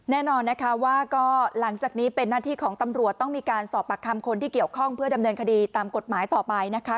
แน่นอนนะคะว่าก็หลังจากนี้เป็นหน้าที่ของตำรวจต้องมีการสอบปากคำคนที่เกี่ยวข้องเพื่อดำเนินคดีตามกฎหมายต่อไปนะคะ